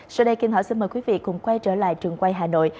sau đây kim thảo xin mời quý vị cùng quay trở lại trường quay hà nội